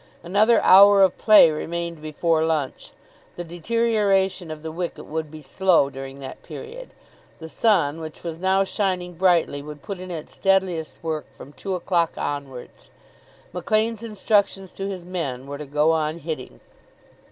Another hour of play remained before lunch. The deterioration of the wicket would be slow during that period. The sun, which was now shining brightly, would put in its deadliest work from two o'clock onwards. Maclaine's instructions to his men were to go on hitting.